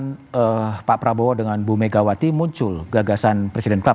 di tengah rencana pertemuan pak prabowo dengan bu megawati muncul gagasan presiden klap